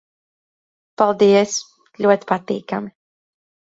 Paldies. Ļoti patīkami...